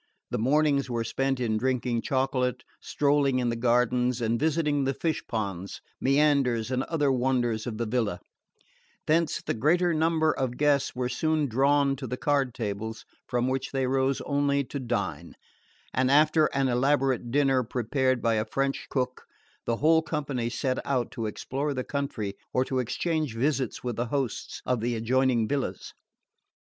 The mornings were spent in drinking chocolate, strolling in the gardens and visiting the fish ponds, meanders and other wonders of the villa; thence the greater number of guests were soon drawn to the card tables, from which they rose only to dine; and after an elaborate dinner prepared by a French cook the whole company set out to explore the country or to exchange visits with the hosts of the adjoining villas.